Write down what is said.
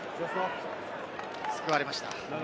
救われました。